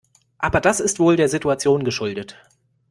Aber das ist wohl der Situation geschuldet.